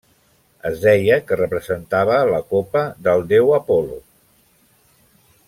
Es deia que representava la copa del déu Apol·lo.